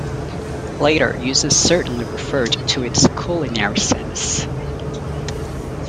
Later uses certainly referred to its culinary sense.